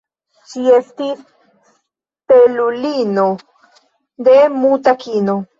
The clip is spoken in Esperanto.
Ŝi estis stelulino de muta kino.